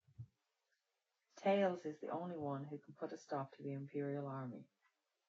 Tails is the only one who can put a stop to the imperial army.